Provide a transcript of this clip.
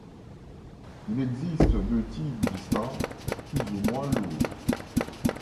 Il existe deux types distincts, plus ou moins lourds.